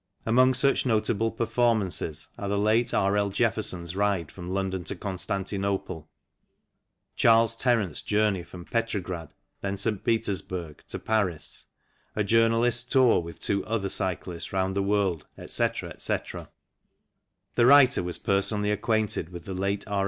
Among such notable performances are the late R. L. Jefferson's ride from London to Constantinople ; Charles Terront's journey from Petrograd (then St. Petersburg) to Paris; a journalist's tour with two other cyclists round the world, etc., etc. The writer was personally acquainted with the late R.